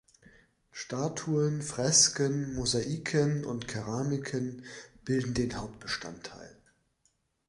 Statuen, Fresken, Mosaiken und Keramiken bilden den Hauptbestandteil.